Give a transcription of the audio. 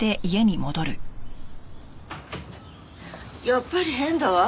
やっぱり変だわ。